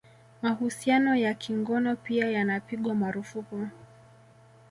Mahusiano ya kingono pia yanapigwa marufuku